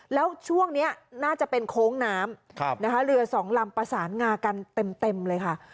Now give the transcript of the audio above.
แล้วช่วงนี้น่าจะเป็นโค้งน้ำนะคะเรือสองลำประสานงากันเต็มเลยค่ะ